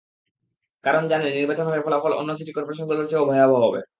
কারণ, জানে, নির্বাচন হলে ফলাফল অন্য সিটি করপোরেশনগুলোর চেয়েও ভয়াবহ হবে।